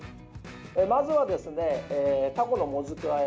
まずは、タコのもずくあえ。